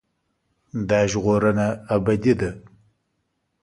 دا ژغورنه ابدي ده.